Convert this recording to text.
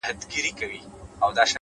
وخت د زحمت ارزښت څرګندوي’